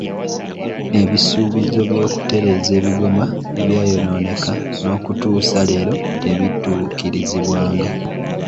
Ebisuubizo by'okutereeza ebigoma ebyayonooneka n'okutuusa leero tebituukirizibwanga.